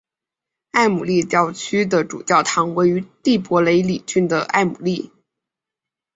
埃姆利教区的主教堂位于蒂珀雷里郡的埃姆利。